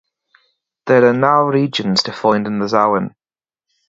There are no regions defined in the zone.